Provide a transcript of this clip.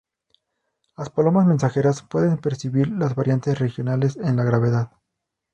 Las palomas mensajeras pueden percibir las variantes regionales en la gravedad.